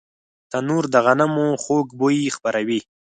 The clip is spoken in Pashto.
تنور د غنمو خوږ بوی خپروي